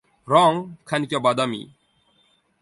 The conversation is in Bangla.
রং খানিকটা বাদামী।